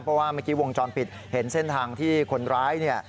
เพราะว่าเมื่อกี้วงจรปิดเห็นเส้นทางที่คนร้ายเนี่ย